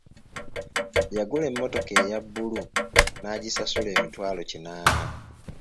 Yagula emmotoka eya bbulu n'agisasula emitwalo kinaana.